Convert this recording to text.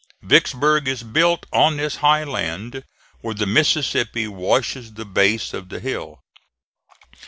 Vicksburg is built on this high land where the Mississippi washes the base of the hill.